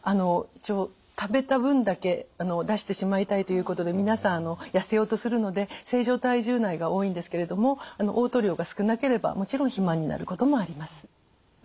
一応食べた分だけ出してしまいたいということで皆さん痩せようとするので正常体重内が多いんですけれどもおう吐量が少なければもちろん肥満になることもあります。